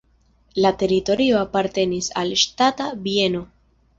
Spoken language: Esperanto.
La teritorio apartenis al ŝtata bieno.